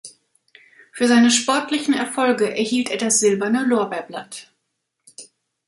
Für seine sportlichen Erfolge erhielt er das Silberne Lorbeerblatt.